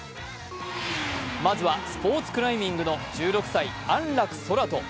まずはスポーツクライミングの１６歳、安楽宙斗。